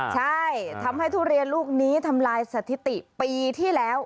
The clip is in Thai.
ใช่ทำให้ทุเรียนลูกนี้ทำลายสถิติปีที่แล้ว